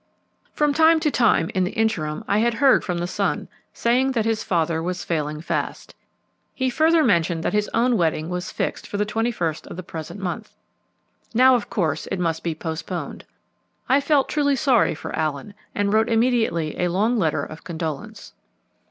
From time to time in the interim I had heard from the son, saying that his father was failing fast. He further mentioned that his own wedding was fixed for the twenty first of the present month. Now, of course, it must be postponed. I felt truly sorry for Allen, and wrote immediately a long letter of condolence.